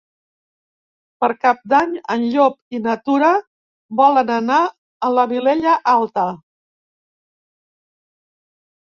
Per Cap d'Any en Llop i na Tura volen anar a la Vilella Alta.